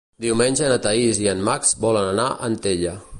Diumenge na Thaís i en Max volen anar a Antella.